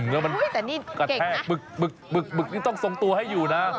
อุ๊ยแต่นี่เก่งนะมึกต้องส่งตัวให้อยู่นะ